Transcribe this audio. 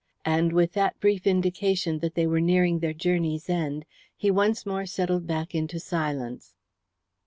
And with that brief indication that they were nearing their journey's end he once more settled back into silence.